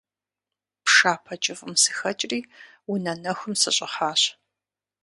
Пшапэ кӀыфӀым сыхэкӀри унэ нэхум сыщӀыхьащ.